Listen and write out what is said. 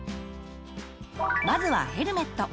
まずはヘルメット。